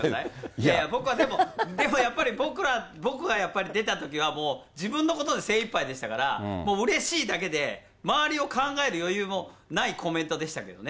いやいや、僕はでもやっぱり、僕がやっぱり出たときは、もう自分のことで精いっぱいでしたから、もう、うれしいだけで、周りを考える余裕もないコメントでしたけどね。